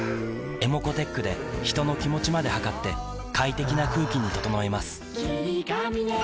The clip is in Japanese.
ｅｍｏｃｏーｔｅｃｈで人の気持ちまで測って快適な空気に整えます